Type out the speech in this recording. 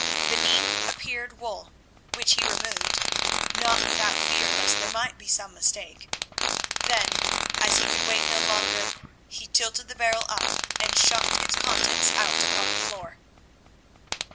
Beneath appeared wool, which he removed, not without fear lest there might be some mistake; then, as he could wait no longer, he tilted the barrel up and shot its contents out upon the floor.